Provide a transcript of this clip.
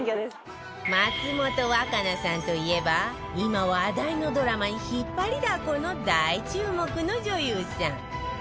松本若菜さんといえば今話題のドラマに引っ張りだこの大注目の女優さん